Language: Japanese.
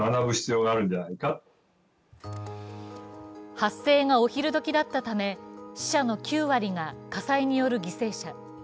発生がお昼時だっため、死者の９割が火災による犠牲者。